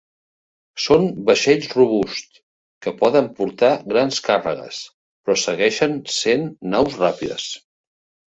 Són vaixells robusts que poden portar grans càrregues, però segueixen sent naus ràpides.